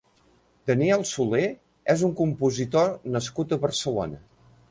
Daniel Soler és un compositor nascut a Barcelona.